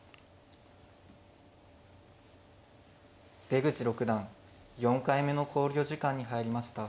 出口六段４回目の考慮時間に入りました。